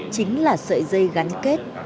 chính là sợi dây gắn kết